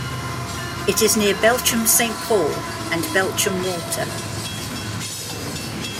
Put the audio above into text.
It is near Belchamp Saint Paul and Belchamp Walter.